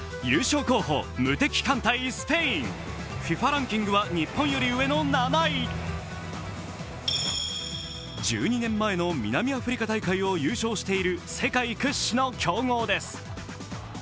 ＦＩＦＡランキングは日本より上の７位１２年前の南アフリカ大会を優勝している世界屈指の強豪です。